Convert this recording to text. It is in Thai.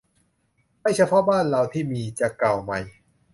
ไม่เฉพาะบ้านเราที่มี จะเก่าใหม่